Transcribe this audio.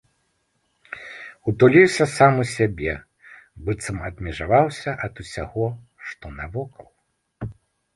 Утуліўся сам у сябе, быццам адмежаваўся ад усяго, што навокал.